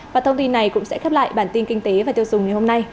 và thông tin này cũng sẽ khép lại bản tin kinh tế và tiêu dùng ngày hôm nay